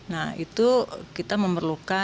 nah itu kita harus memperhatikan